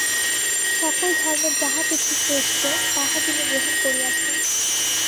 সকল ধর্মের যাহা কিছু শ্রেষ্ঠ, তাহা তিনি গ্রহণ করিয়াছেন।